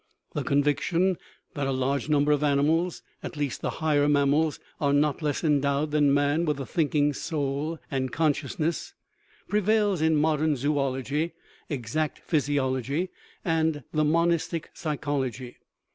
The conviction that a large number of animals at least the higher mammals are not less endowed than man with a thinking soul and consciousness prevails in modern zoology, exact physiology, and the monistic psychology.